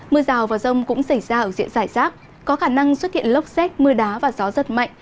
mưa rào và rông cũng xảy ra ở diện giải rác có khả năng xuất hiện lốc xét mưa đá và gió rất mạnh